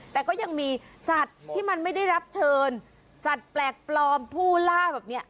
แต่ก็ยังมีสัตว์ที่มันไม่ได้รับเชิญสัตว์แปลกปลอมผู้ล่าแบบนี้